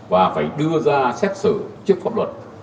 và phải đưa ra xét xử trước pháp luật